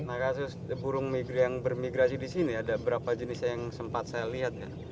nah kasus burung migro yang bermigrasi di sini ada berapa jenisnya yang sempat saya lihat ya